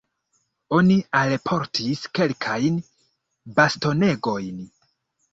Oni alportis kelkajn bastonegojn.